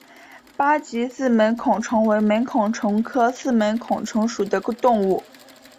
八棘四门孔虫为门孔虫科四门孔虫属的动物。